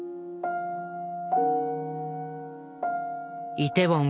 イテウォン